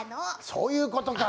そういうことか。